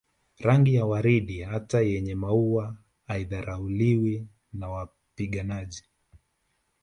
Rangi ya waridi hata yenye maua haidharauliwi na wapiganaji